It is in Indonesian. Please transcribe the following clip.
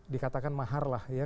dikatakan mahar lah ya